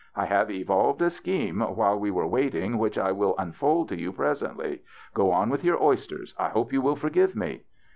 I have evolved a scheme while we were waiting, which I will unfold to you pres ently. Go on with your oysters. I hope you will forgive me."